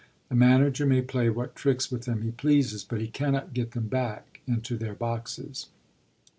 The manager may play what tricks with them he pleases, but he cannot get them back into their boxes.